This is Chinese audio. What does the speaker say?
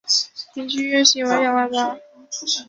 平均月薪为两万八